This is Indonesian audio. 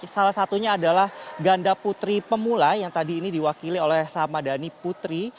salah satunya adalah ganda putri pemula yang tadi ini diwakili oleh ramadhani putri